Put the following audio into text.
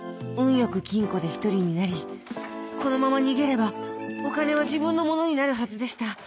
よく金庫で１人になりこのまま逃げればお金は自分のものになるはずでした